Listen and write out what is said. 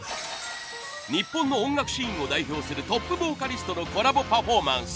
日本の音楽シーンを代表するトップボーカリストのコラボパフォーマンス。